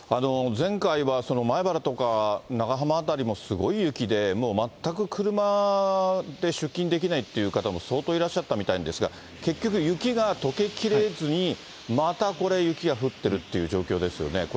前回は米原とか長浜辺りもすごい雪で、もう全く車で出勤できないという方も相当いらっしゃったみたいなんですが、結局、雪がとけきれずに、またこれ、雪が降ってるっていう状況ですよね。